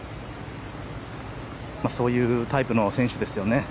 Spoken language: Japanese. そういうタイプの選手ですよね。